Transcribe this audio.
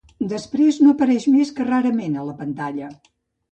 Després no apareix més que rarament a la pantalla.